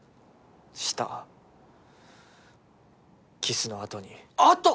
したキスのあとにあと？